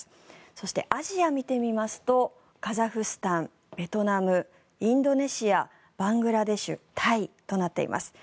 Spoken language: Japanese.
そして、アジアを見てみますとカザフスタン、ベトナムインドネシア、バングラデシュタイとなっています。